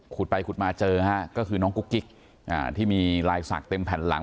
ขุดไปขุดมาเจอฮะก็คือน้องกุ๊กกิ๊กที่มีลายศักดิ์เต็มแผ่นหลัง